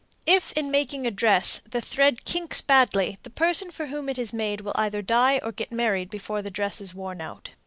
If, in making a dress, the thread kinks badly, the person for whom it is made will either die or get married before the dress is worn out.